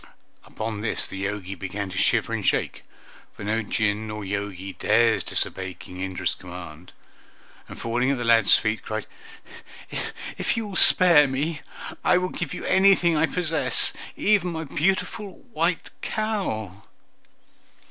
Upon this the Jogi began to shiver and shake (for no Jinn or Jogi dares disobey King Indra's command), and, falling at the lad's feet, cried, "If you will spare me I will give you anything I possess, even my beautiful white cow!"